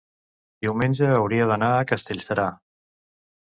diumenge hauria d'anar a Castellserà.